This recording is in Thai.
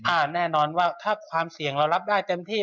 แน่นอนว่าถ้าความเสี่ยงเรารับได้เต็มที่